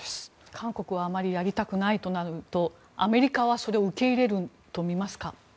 韓国はあまりやりたくないとなるとアメリカはそれを受け入れるとみますか？